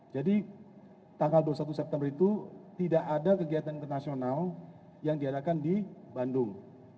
jadi tanggal dua puluh satu september itu tidak ada kegiatan internasional yang diadakan di bandung